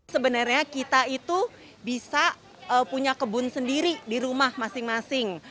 sebenarnya kita itu bisa punya kebun sendiri di rumah masing masing